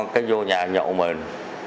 cái vô nhà nhậu mình